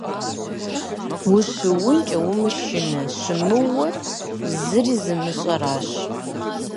Ущыуэнкӏэ умышынэ, щымыуэр зыри зымыщӏэращ.